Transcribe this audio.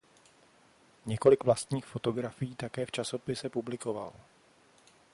Několik vlastních fotografií také v časopise publikoval.